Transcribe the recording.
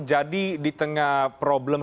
jadi di tengah problem